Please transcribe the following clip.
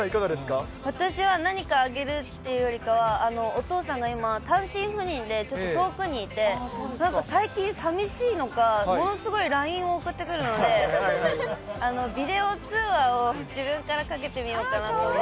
なえちゃん、私は何かあげるっていうよりかは、お父さんが今、単身赴任でちょっと遠くにいて、最近、さみしいのか、ものすごいＬＩＮＥを送ってくるので、ビデオ通話を自分からかけいい！